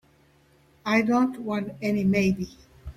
I don't want any maybe.